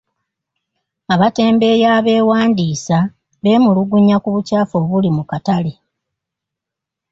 Abatembeeyi abeewandiisa beemulugunya ku bukyafu obuli mu katale.